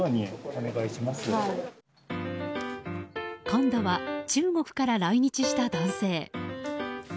今度は中国から来日した男性。